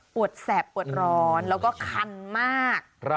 ปวดแสบปวดร้อนแล้วก็คันมาก